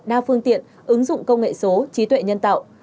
đa phương tiện ứng dụng công nghệ số trí tuệ nhân tạo